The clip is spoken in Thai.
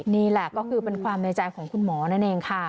นี่แหละก็คือเป็นความในใจของคุณหมอนั่นเองค่ะ